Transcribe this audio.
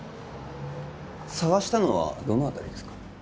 捜したのはどの辺りですか？